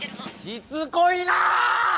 しつこいなあ！